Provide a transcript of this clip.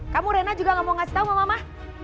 kamu reina juga gak mau kasih tahu sama mama